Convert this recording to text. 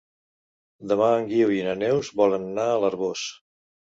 Demà en Guiu i na Neus volen anar a l'Arboç.